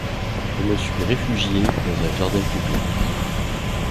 Je me suis réfugiée dans un jardin public.